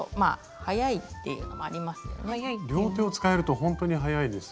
両手を使えるとほんとに早いですよね刺しゅうは。